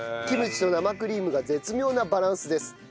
キムチと生クリームが絶妙なバランスです。